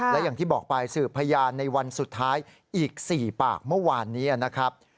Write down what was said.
และอย่างที่บอกไปสืบพยานในวันสุดท้ายอีก๔ปากเมื่อวานนี้นะครับ